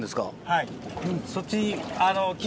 はい。